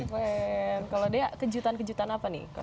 dan kalau dea kejutan kejutan apa nih